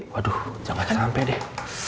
waduh jangan sampai deh